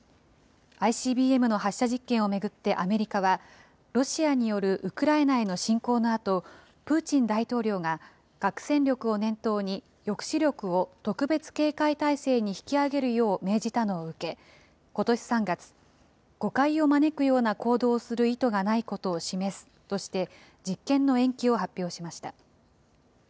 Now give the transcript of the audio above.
ＩＣＢＭの発射実験を巡ってアメリカは、ロシアによるウクライナへの侵攻のあと、プーチン大統領が核戦力を念頭に、抑止力を特別警戒態勢に引き上げるよう命じたのを受け、ことし３月、誤解を招くような行動をする意図がないことを示すとして、実験の延期を発表しました。